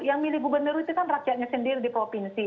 yang milih gubernur itu kan rakyatnya sendiri di provinsi